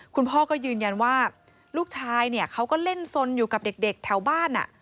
คุณพ่อก็ยืนยันว่าลูกชายเนี่ยเขาก็เล่นสนอยู่กับเด็กแถวบ้าน